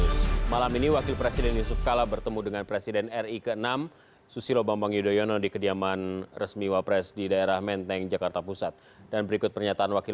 sampai jumpa di video selanjutnya